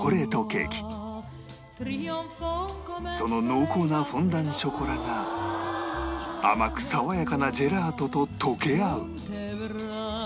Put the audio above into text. その濃厚なフォンダンショコラが甘く爽やかなジェラートと溶け合う